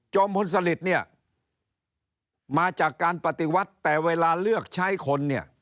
จอมพลสลิตมาจากการปฏิวัติแต่เวลาเลือกใช้คน